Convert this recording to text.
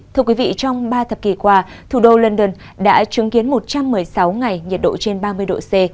thưa quý vị trong ba thập kỷ qua thủ đô london đã chứng kiến một trăm một mươi sáu ngày nhiệt độ trên ba mươi độ c